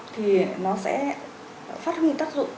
thì nó sẽ phát huy tác dụng